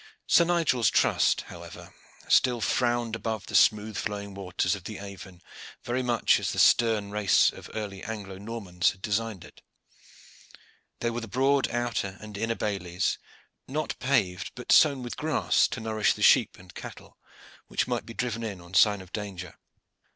Sir Nigel's trust, however, still frowned above the smooth flowing waters of the Avon, very much as the stern race of early Anglo Normans had designed it. There were the broad outer and inner bailies, not paved, but sown with grass to nourish the sheep and cattle which might be driven in on sign of danger.